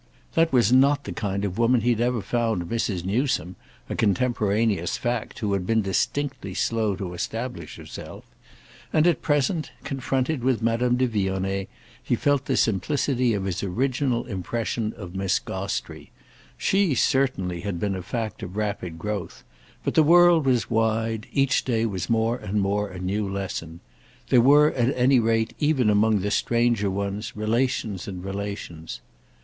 That was not the kind of woman he had ever found Mrs. Newsome, a contemporaneous fact who had been distinctly slow to establish herself; and at present, confronted with Madame de Vionnet, he felt the simplicity of his original impression of Miss Gostrey. She certainly had been a fact of rapid growth; but the world was wide, each day was more and more a new lesson. There were at any rate even among the stranger ones relations and relations.